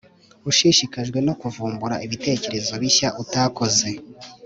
ushishikajwe no kuvumbura ibitekerezo bishya utakoze.